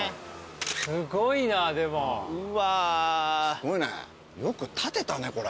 すごいねよく建てたねこれ。